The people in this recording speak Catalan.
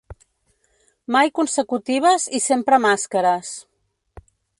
Mai consecutives i sempre màscares.